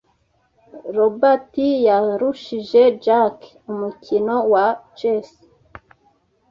Robert yarushije Jack umukino wa chess.